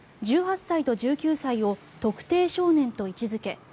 １８歳と１９歳を特定少年と位置付け